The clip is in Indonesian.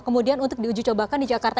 kemudian untuk diuji cobakan di jakarta